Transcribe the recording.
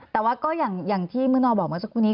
แต่ว่าก็อย่างที่มื้อนอบอกเมื่อสักครู่นี้